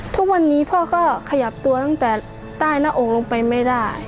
ทุกวันนี้พ่อก็ขยับตัวตั้งแต่ใต้หน้าอกลงไปไม่ได้